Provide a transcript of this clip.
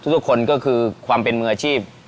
ทุกคนก็คือความเป็นมืออาชีพ